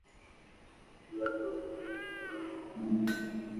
তবে প্রাতিষ্ঠানিক বিনিয়োগকারীদের মধ্যে শেয়ার ক্রয়ের প্রবণতা দেখা যাওয়ায় লেনদেন বেড়েছে।